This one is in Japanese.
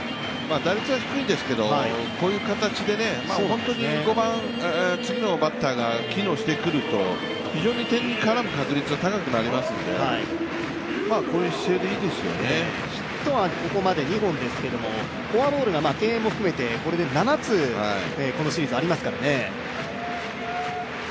打率は低いですけど、こういう形で本当に５番、次のバッターが機能してくると非常に点に絡む確率が高くなるのでヒットはこれまで２本ですけど、フォアボールが敬遠も含めて７つこのシーズンありますからね。